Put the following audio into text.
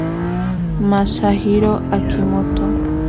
Masahiro Akimoto